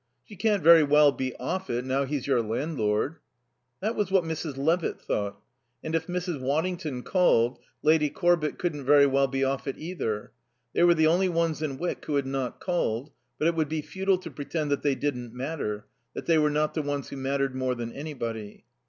"She can't very well be off it, now he's your landlord." That was what Mrs. Levitt thought. And if Mrs. Waddington called, Lady Corbett couldn't very well be off it either. They were the only ones in Wyck who had not called; but it would be futile to pretend that they didn't matter, that they were not the ones who mattered more than anybody.